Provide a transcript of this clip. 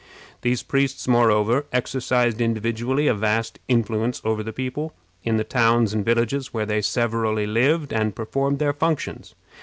These priests, moreover, exercised individually a vast influence over the people in the towns and villages where they severally lived and performed their functions.